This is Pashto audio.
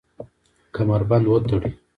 کمربند وتړئ